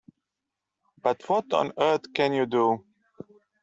But what on earth can you do?